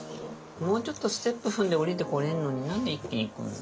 もうちょっとステップ踏んで下りてこれんのに何で一気に来んの？